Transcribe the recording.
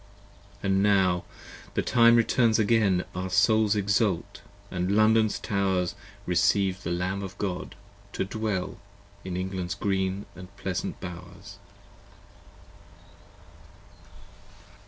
85 And now the time returns again: Our souls exult, & London's towers Recieve the Lamb of God to dwell 88 In England's green & pleasant bowers.